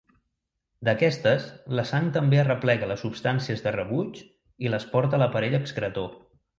D'aquestes, la sang també arreplega les substàncies de rebuig i les porta a l'aparell excretor.